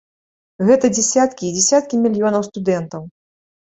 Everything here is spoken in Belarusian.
Гэта дзесяткі і дзесяткі мільёнаў студэнтаў!